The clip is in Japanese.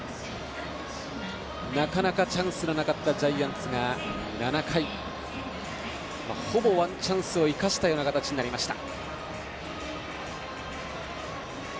なかなかチャンスのなかったジャイアンツが７回、ほぼワンチャンスを生かしたような形になりました。